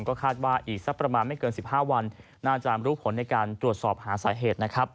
ก็คาดว่าอีกสักประมาณไม่เกิน๑๕วันน่าจะรู้ผลในการตรวจสอบหาสาเหตุนะครับ